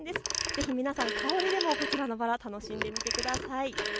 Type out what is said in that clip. ぜひ皆さん、香りでもこちらのバラ、楽しんでみてください。